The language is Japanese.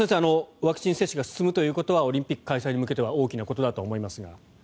ワクチン接種が進むということはオリンピック開催に向けては大きなことだと思いますが。